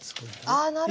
ああなるほど。